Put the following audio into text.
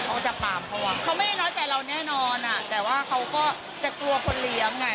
เขาจะปามเขาอ่ะเขาไม่ได้น้อยใจเราแน่นอนอ่ะแต่ว่าเขาก็จะกลัวคนเลี้ยงไง